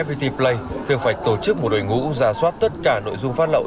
vt play thường phải tổ chức một đội ngũ giả soát tất cả nội dung phát lậu